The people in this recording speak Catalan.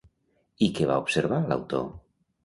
I què va observar, l'autor?